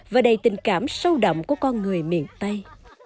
và đầy tình cảm sâu đậm của con người miền tây